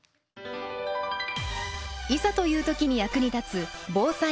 いざという時に役に立つ防災の知恵。